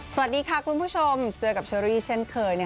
สวัสดีค่ะคุณผู้ชมเจอกับเชอรี่เช่นเคย